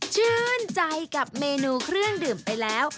ชื่นใจกับเมนูเครื่องดื่มไปแล้ว